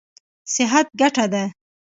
صحت ګټه ده.